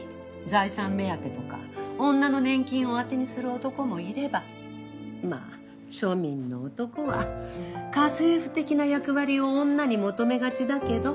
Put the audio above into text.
財産目当てとか女の年金を当てにする男もいればまあ庶民の男は家政婦的な役割を女に求めがちだけど。